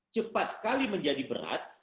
cepat sekali menjadi berat